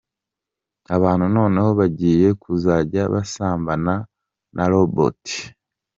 Abantu noneho bagiye kuzajya basambana na Robots.